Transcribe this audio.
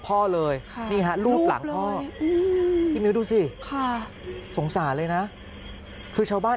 พ่อเลยนี่ฮะรูปหลังพ่อพี่มิ้วดูสิค่ะสงสารเลยนะคือชาวบ้าน